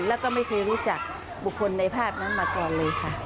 แล้วก็ไม่เคยรู้จักบุคคลในภาพนั้นมาก่อนเลยค่ะ